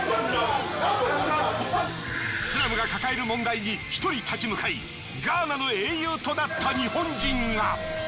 スラムが抱える問題に１人立ち向かいガーナの英雄となった日本人が！